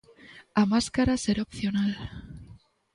A máscara será opcional.